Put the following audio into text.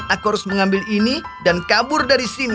aku harus mengambil ini dan kabur dari sini